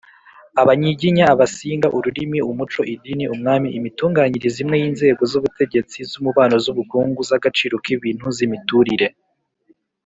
Abanyiginya, Abasinga), ururimi, umuco, idini, umwami, imitunganyirize imwe y'inzego (z'ubutegetsi, z'umubano, z'ubukungu, z'agacirok'ibintu, z'imiturire)